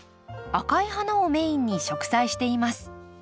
赤い花をメインに植栽しています。